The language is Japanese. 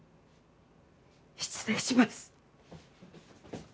失礼します。